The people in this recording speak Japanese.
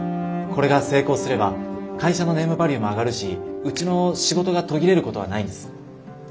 これが成功すれば会社のネームバリューも上がるしうちの仕事が途切れることはないんです。